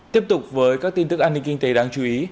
tiếp tục với các tin tức an ninh kinh tế đáng chú ý